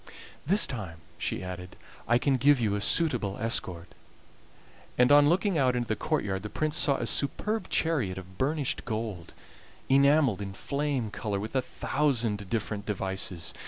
"This time," she added, "I can give you a suitable escort"; and on looking out into the courtyard the Prince saw a superb chariot of burnished gold, enameled in flame color with a thousand different devices.